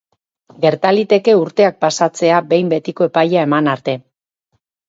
Gerta liteke urteak pasatzea behin betiko epaia eman arte.